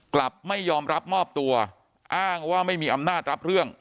กลับไม่ยอมรับมอบตัวอ้างว่าไม่มีอำนาจรับเรื่อง